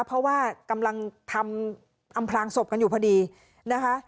เพราะว่ากำลังทำอำพลางศพกันอยู่พอดีนะคะ